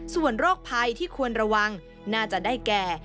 ส่วนโรคภัยที่ควรระวังน่าจะได้แก่